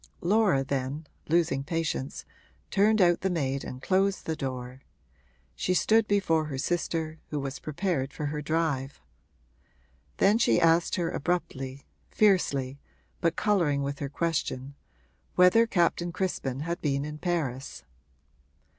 Laura then, losing patience, turned out the maid and closed the door; she stood before her sister, who was prepared for her drive. Then she asked her abruptly, fiercely, but colouring with her question, whether Captain Crispin had been in Paris.